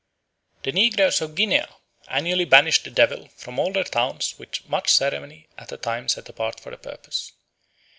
The negroes of Guinea annually banish the devil from all their towns with much ceremony at a time set apart for the purpose.